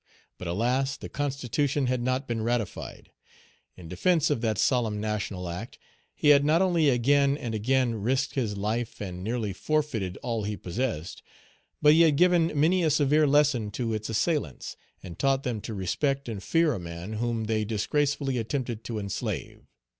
But, alas! the constitution had not been ratified. In defence of that solemn national act, he had not only again and again risked his life and nearly forfeited all he possessed, but he had given many a severe lesson to its assailants, and taught them to respect and fear a man whom they disgracefully attempted to enslave.